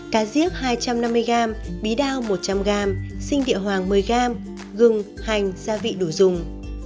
cá diếc hai trăm năm mươi g bí đao một trăm linh g xinh địa hoàng một mươi g gừng hành gia vị đủ dùng